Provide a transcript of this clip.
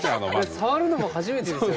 触るのも初めてですよね。